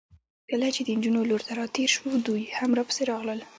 کله چې د نجونو لور ته راتېر شوو، دوی هم راپسې راغلل.